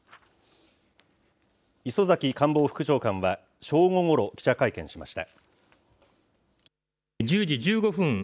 磯崎官房副長官は正午ごろ、記者会見しました。